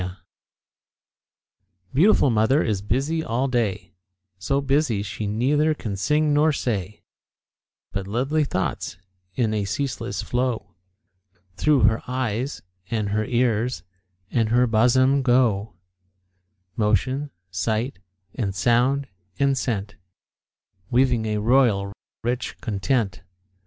_ Beautiful mother is busy all day, So busy she neither can sing nor say; But lovely thoughts, in a ceaseless flow, Through her eyes, and her ears, and her bosom go Motion, sight, and sound, and scent, Weaving a royal, rich content.